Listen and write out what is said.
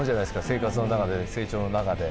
生活の中で成長の中で。